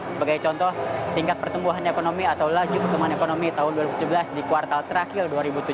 sebagai contoh tingkat pertumbuhan ekonomi atau laju pertumbuhan ekonomi tahun dua ribu tujuh belas di kuartal terakhir dua ribu tujuh belas